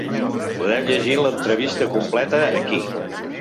Podeu llegir l’entrevista completa aquí.